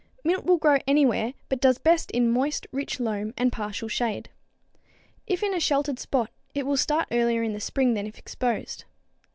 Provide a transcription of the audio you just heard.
Mint will grow anywhere but does best in a moist, rich loam and partial shade. If in a sheltered spot, it will start earlier in the spring than if exposed.